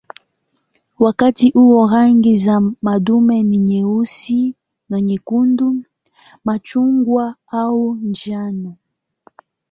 Wakati huo rangi za madume ni nyeusi na nyekundu, machungwa au njano.